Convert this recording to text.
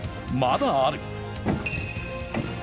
まだある。